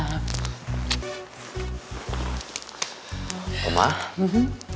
tadi alex ketemu sama adriana